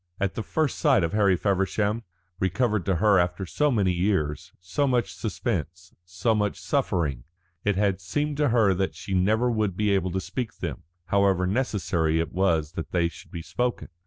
At the first sight of Harry Feversham, recovered to her after so many years, so much suspense, so much suffering, it had seemed to her that she never would be able to speak them, however necessary it was that they should be spoken.